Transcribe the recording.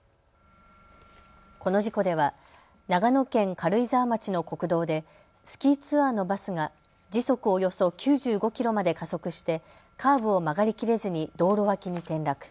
この事故では長野県軽井沢町の国道でスキーツアーのバスが時速およそ９５キロまで加速してカーブを曲がりきれずに道路脇に転落。